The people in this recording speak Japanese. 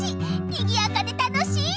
にぎやかで楽しい！